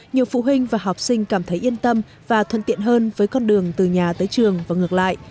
nhiều phụ huynh và học sinh cảm thấy yên tâm và thuận tiện hơn với con đường từ nhà tới trường và ngược lại